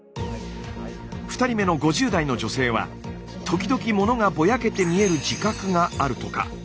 ２人目の５０代の女性は時々ものがぼやけて見える自覚があるとか。